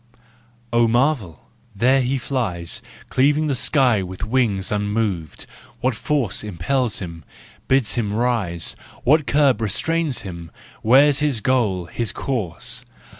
Oh marvel! there he flies Cleaving the sky with wings unmoved—what force Impels him, bids him rise, What curb restrains him? Where's his goal, his course